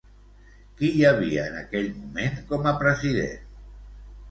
Qui hi havia, en aquell moment, com a president?